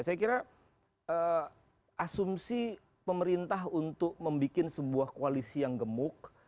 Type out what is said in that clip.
saya kira asumsi pemerintah untuk membuat sebuah koalisi yang gemuk